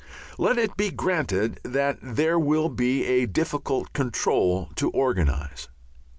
Let it be granted that that will be a difficult control to organize.